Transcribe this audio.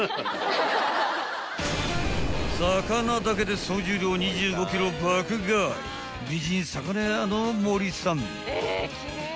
［魚だけで総重量２５ｋｇを爆買い美人魚屋の森さん］